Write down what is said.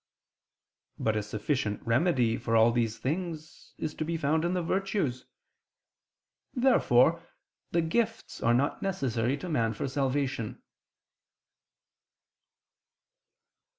But a sufficient remedy for all these things is to be found in the virtues. Therefore the gifts are not necessary to man for salvation.